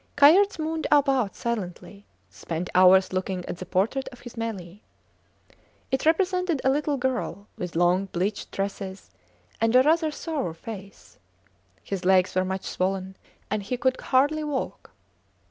Kayerts mooned about silently; spent hours looking at the portrait of his Melie. It represented a little girl with long bleached tresses and a rather sour face. His legs were much swollen, and he could hardly walk.